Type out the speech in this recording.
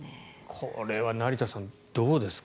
これは成田さんどうですか。